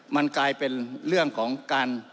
มันกลายเป็นเรื่องของการ